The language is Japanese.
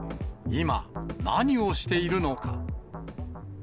今、何をしているのか。